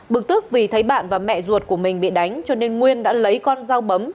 bực tức vì thấy bạn và mẹ ruột của mình bị đánh cho nên nguyên đã lấy con dao bấm